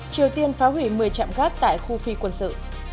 triều tiên phá hủy một mươi trạm gác tại khu phi quân sự